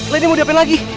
lady mau diapain lagi